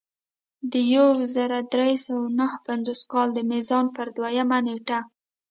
د یو زر درې سوه نهه پنځوس کال د میزان پر دویمه نېټه.